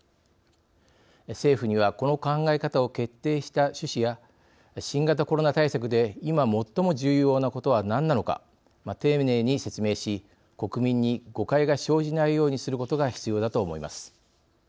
政府にはこの考え方を決定した趣旨や新型コロナ対策でいま最も重要なことは何なのか丁寧に説明し国民に誤解が生じないようにすることが必要だと思います。